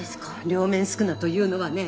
両面宿儺というのはね